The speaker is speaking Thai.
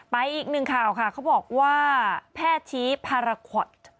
อีกหนึ่งข่าวค่ะเขาบอกว่าแพทย์ชี้พาราคอต